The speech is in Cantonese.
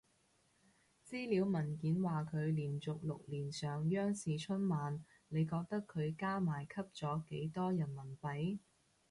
資料文件話佢連續六年上央視春晚，你覺得佢加埋吸咗幾多人民幣？